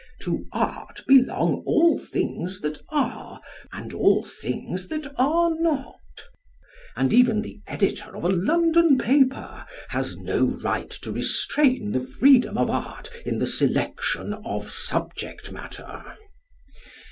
To art belong all things that are and all things that are not, and even the editor of a London paper has no right to restrain the freedom of art in the selection of subject matter.